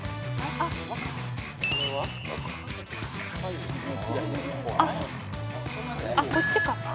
あっあっこっちか。